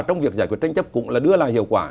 trong việc giải quyết tranh chấp cũng là đưa lại hiệu quả